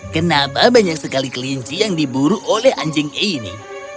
kenapa banyak sekali kelinci yang diburu oleh anjing ini